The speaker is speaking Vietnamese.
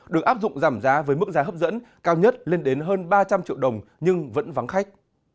được áp dụng giảm giá với mức giá hấp dẫn cao nhất lên đến hơn ba trăm linh triệu đồng nhưng vẫn vắng khách